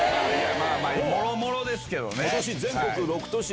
まぁもろもろですけどね。